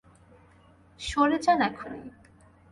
সরে যান এখনই।